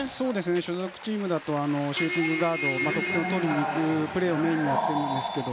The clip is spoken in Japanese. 所属チームだとシューティングガードで得点を取りにいくプレーをメインでやっているんですけど。